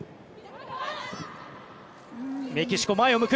メキシコ、前を向く。